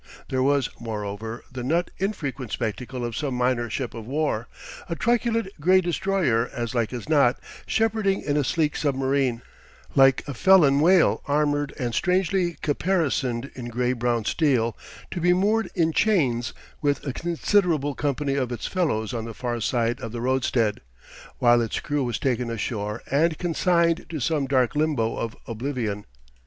There was, moreover, the not infrequent spectacle of some minor ship of war a truculent, gray destroyer as like as not shepherding in a sleek submarine, like a felon whale armoured and strangely caparisoned in gray brown steel, to be moored in chains with a considerable company of its fellows on the far side of the roadstead, while its crew was taken ashore and consigned to some dark limbo of oblivion.